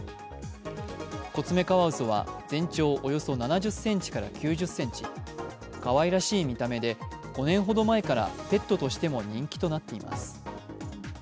コツメカワウソは全長およそ７０ｃｍから９０ｃｍかわいらしい見た目で５年ほど前からペットとしても人気となっています。